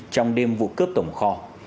trong đêm vụ cướp tổng kho